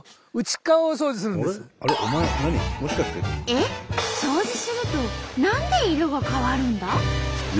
えっ？掃除すると何で色が変わるんだ？